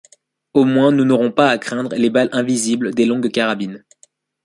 Au moins nous n’aurons pas à craindre les balles invisibles des longues carabines